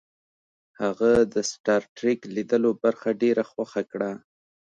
هغه د سټار ټریک لیدلو برخه ډیره خوښه کړه